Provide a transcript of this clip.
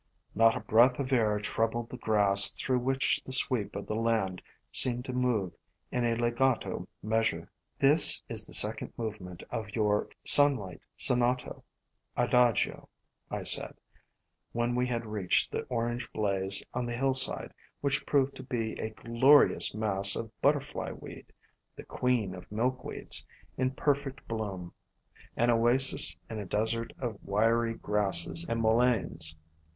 Not a breath of air troubled the grass through which the sweep of the land seemed to move in a legato measure "This is the second movement of your Sunlight Sonato, Adagio," I said, when we had reached the orange blaze on the hillside, which proved to be a glo rious mass of But 234 FLOWERS OF THE SUN terfly Weed, the queen of Milkweeds, in perfect bloom, — an oasis in a desert of wiry grasses and Mulleins.